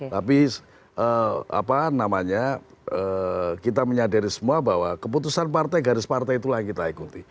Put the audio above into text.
tapi apa namanya kita menyadari semua bahwa keputusan partai garis partai itulah yang kita ikuti